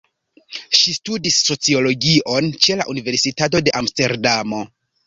Ŝi studis sociologion ĉe la Universitato de Amsterdamo.